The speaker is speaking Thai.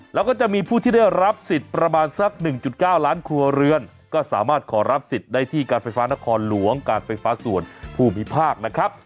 แล้วก็จะมีผู้ที่ได้รับสิทธิ์ประมาณสัก๑๙ล้านครัวเรือนก็สามารถขอรับสิทธิ์ได้ที่การไฟฟ้านครหลวงการไฟฟ้าส่วนภูมิภาคนะครับ